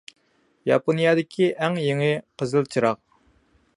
ياپونىيەدىكى ئەڭ يېڭى قىزىل چىراغ.